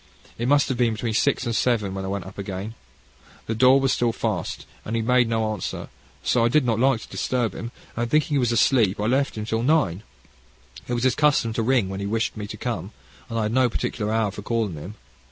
It must have been between six and seven when I went up again. The door was still fast, and he made no answer, so I did not like to disturb him, and thinking he was asleep, I left him till nine. It was his custom to ring when he wished me to come, and I had no particular hour for calling him.